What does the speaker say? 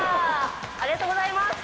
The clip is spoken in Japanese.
ありがとうございます。